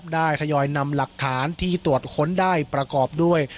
ทยอยนำหลักฐานที่ตรวจค้นได้ประกอบด้วย